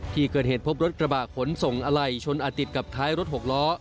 ที่เกิดเหตุพบรถกระบะขนส่งอะไหล่ชนอาจติดกับท้ายรถหกล้อ